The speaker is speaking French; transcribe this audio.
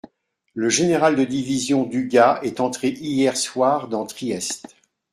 Le général de division Dugua est entré hier soir dans Trieste.